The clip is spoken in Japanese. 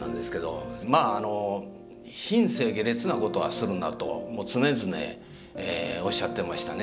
まあ「品性下劣なことはするな」ともう常々おっしゃってましたね。